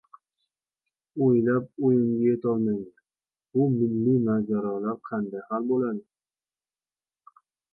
O‘ylab o‘yimga yetolmayman: bu milliy mojarolar qanday hal bo‘ladi?